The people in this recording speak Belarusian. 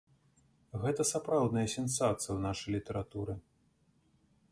Гэта сапраўдная сенсацыя ў нашай літаратуры.